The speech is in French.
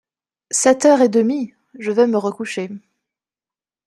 Sept heures et demie !… je vais me recoucher…